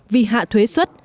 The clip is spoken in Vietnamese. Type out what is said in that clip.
vì hạ thuế xuất